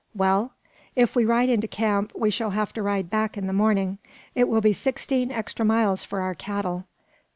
"Well?" "If we ride into camp, we shall have to ride back in the morning. It will be sixteen extra miles for our cattle."